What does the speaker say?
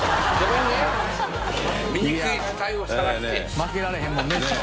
負けられへんもんね師匠。ねぇ。